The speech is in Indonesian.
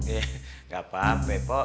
eh gapapa bepok